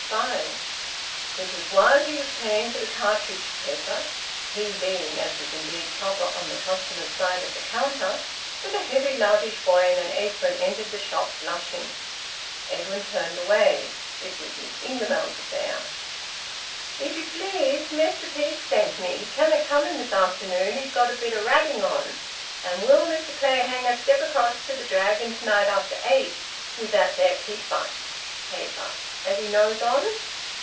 FIVE. It was while he was paying for the cartridge paper he being, as was indeed proper, on the customers' side of the counter that a heavy loutish boy in an apron entered the shop, blushing. Edwin turned away. This was Miss Ingamells's affair. "If ye please, Mester Peake's sent me. He canna come in this afternoon he's got a bit o' ratting on and will Mester Clayhanger step across to th' Dragon to night after eight, with that there peeper [paper] as he knows on?"